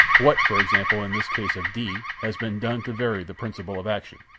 What, for example, in this case of D , has been done to vary the principle of action?